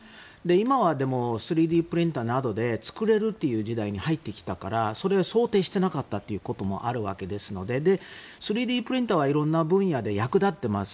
今は３Ｄプリンターで作れるという時代に入ってきたからそれを想定していなかったということもありますので３Ｄプリンターは色んな分野で役立っています。